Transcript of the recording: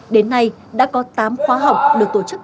đến nay đã có tám khóa học được tổ chức